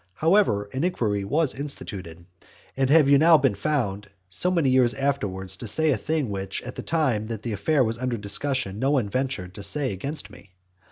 However, an inquiry was instituted. And have you now been found, so many years afterwards, to say a thing which, at the time that the affair was under discussion, no one ventured to say against me?